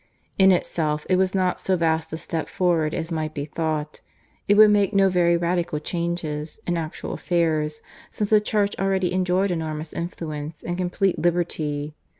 In itself it was not so vast a step forward as might be thought. It would make no very radical changes in actual affairs, since the Church already enjoyed enormous influence and complete liberty.